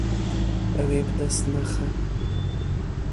Ew ê bi dest nexe.